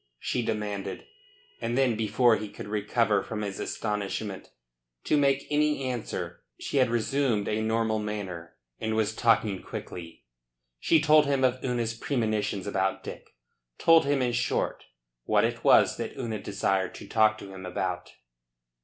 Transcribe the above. she demanded. And then before he could recover from his astonishment to make any answer she had resumed a normal manner, and was talking quickly. She told him of Una's premonitions about Dick. Told him, in short, what it was that Una desired to talk to him about.